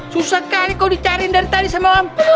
susah kali kau dicariin dari tadi sama om